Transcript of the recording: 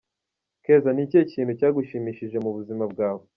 Keza ni ikihe kintu cyagushimishije mu buzima bwawe?.